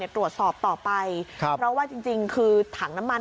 ตรวจสอบต่อไปเพราะว่าจริงคือถังน้ำมัน